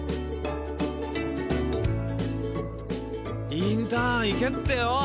インターン行けってよ。